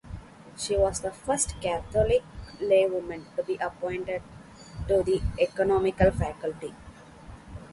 She was the first Catholic laywoman to be appointed to the ecumenical faculty.